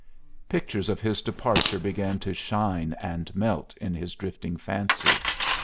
Pictures of his departure began to shine and melt in his drifting fancy.